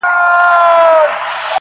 ده څومره ارزاني; ستا په لمن کي جانانه;